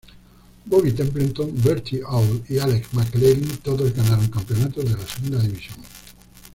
Bobby Templeton, Bertie Auld y Alex McLeish todos ganaron campeonatos de la segunda división.